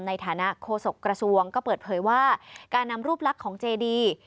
ในฐานะโฆษกระทรวงก็เปิดเผยว่าการนำรูปลักษณ์ของเจดี